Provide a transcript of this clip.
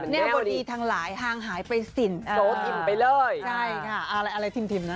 แนวดีทางหลายทางหายไปสิ่งโซ่ทิมไปเลยใช่ค่ะอะไรอะไรทิมทิมนะ